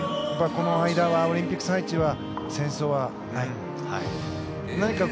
この間は、オリンピック最中は戦争はない。